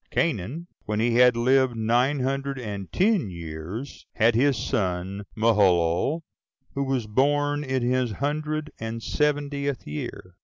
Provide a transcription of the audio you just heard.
Cainan, when he had lived nine hundred and ten years, had his son Malaleel, who was born in his hundred and seventieth year.